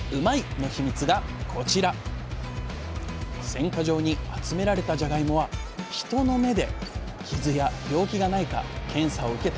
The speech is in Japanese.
選果場に集められたじゃがいもは人の目で傷や病気がないか検査を受けた